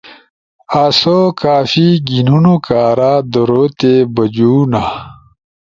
آسو کافی گھینونو کارا درو تی بجونا۔